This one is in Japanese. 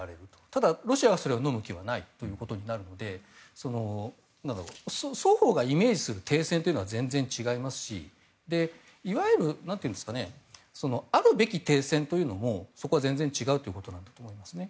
ただ、ロシアはそれをのむ気はないということになるので双方がイメージする停戦というのは全然、違いますしいわゆるあるべき停戦というのも全然違うんだと思いますね。